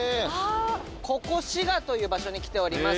ここ滋賀という場所に来てます